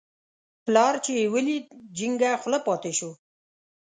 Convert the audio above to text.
پلار چې یې ولید، جینګه خوله پاتې شو.